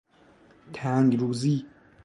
تنگروزی